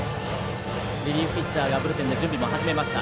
リリーフピッチャーがブルペンで準備を始めました。